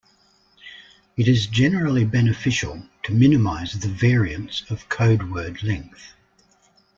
It is generally beneficial to minimize the variance of codeword length.